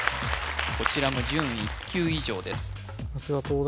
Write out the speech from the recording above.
こちらも準１級以上です